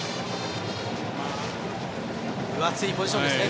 分厚いポジションですね。